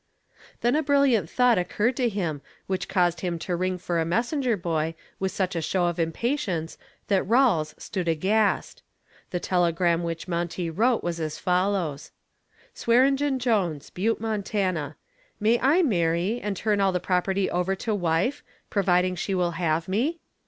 Then a brilliant thought occurred to him which caused him to ring for a messenger boy with such a show of impatience that Rawles stood aghast. The telegram which Monty wrote was as follows: SWEARENGEN JONES, Butte, Montana May I marry and turn all property over to wife, providing she will have me?